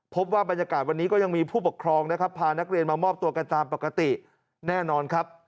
พบว่าบรรยากาศวันนี้ก็ยังมีผู้ปกครองนะครับพานักเรียนมามอบตัวกันตามปกติแน่นอนครับ